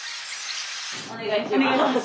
お願いします。